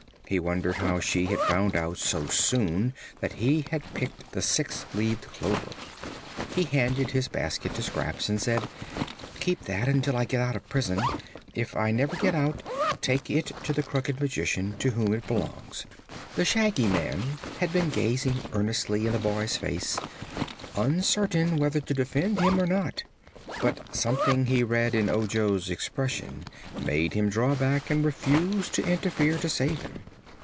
He wondered how she had found out so soon that he had picked the six leaved clover. He handed his basket to Scraps and said: "Keep that, until I get out of prison. If I never get out, take it to the Crooked Magician, to whom it belongs." The Shaggy Man had been gazing earnestly in the boy's face, uncertain whether to defend him or not; but something he read in Ojo's expression made him draw back and refuse to interfere to save him.